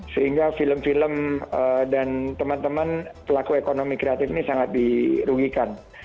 sehingga film film dan teman teman pelaku ekonomi kreatif ini sangat dirugikan